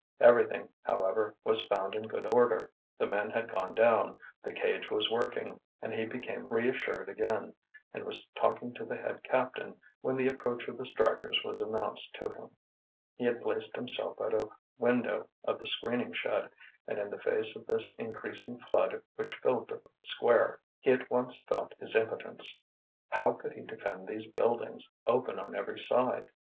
Everything, however, was found in good order. The men had gone down; the cage was working, and he became reassured again, and was talking to the head captain when the approach of the strikers was announced to him. He had placed himself at a window of the screening shed; and in the face of this increasing flood which filled the square, he at once felt his impotence. How could he defend these buildings, open on every side?